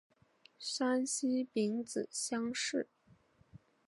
山西丙子乡试。